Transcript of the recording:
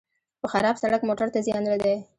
په خراب سړک موټر ته زیان دی.